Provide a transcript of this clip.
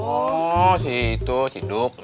oh si itu si duk